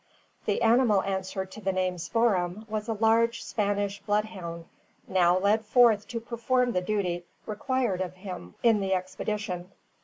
The animal answering to the name Spoor'em was a large Spanish bloodhound, now led forth to perform the first duty required of him in the expedition.